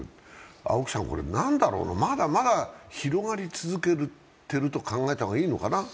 青木さん、まだまだ広がり続けていると考えた方がいいのかな。